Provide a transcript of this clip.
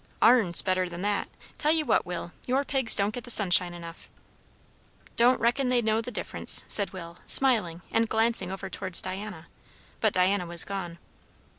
"Our'n's better than that. Tell you what, Will, your pigs don't get the sunshine enough." "Don't reckon they know the difference," said Will, smiling and glancing over towards Diana; but Diana was gone.